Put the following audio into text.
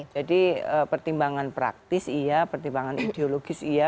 jadi pertimbangan praktis iya pertimbangan ideologis iya